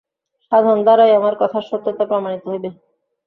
সাধন দ্বারাই আমার কথার সত্যতা প্রমাণিত হইবে।